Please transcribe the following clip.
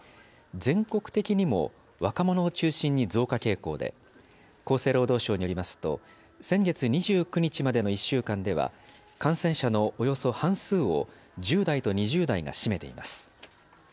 全国的にも、若者を中心に増加傾向で、厚生労働省によりますと、先月２９日までの１週間では、感染者のおよそ半数を１０代と２０代が占めています。